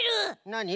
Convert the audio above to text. なに？